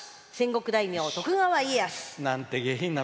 戦国大名徳川家康」。